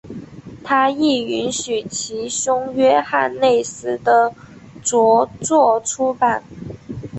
他亦允许其兄约翰内斯的着作出版。